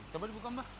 coba dibuka mbah